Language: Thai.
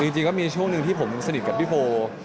จริงก็มีช่วงหนึ่งที่ผมสนิทกับพี่โบ